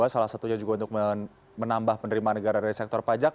salah satunya juga untuk menambah penerimaan negara dari sektor pajak